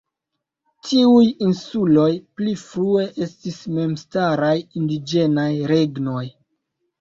Tiuj insuloj pli frue estis memstaraj indiĝenaj regnoj.